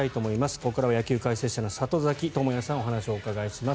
ここからは野球解説者の里崎智也さんお話をお伺いします。